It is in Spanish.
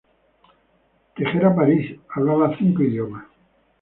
Tejera París hablaba cinco idiomas.